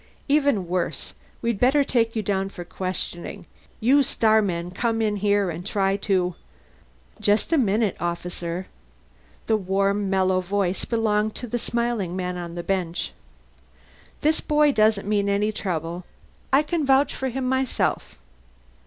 "Even worse. We'd better take you down for questioning. You starmen come in here and try to " "Just a minute, officer." The warm mellow voice belonged to the smiling man on the bench. "This boy doesn't mean any trouble. I can vouch for him myself."